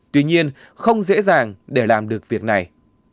tuy nhiên không dễ dàng để làm được việc này